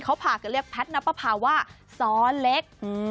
เขาผ่าก็เรียกแพทย์นัปภาว่าซ้อเล็ก